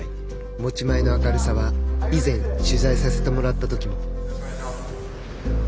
持ち前の明るさは以前取材させてもらったときも。